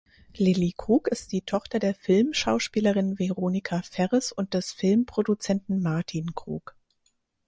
Lilly Krug ist die Tochter der Filmschauspielerin Veronica Ferres und des Filmproduzenten Martin Krug.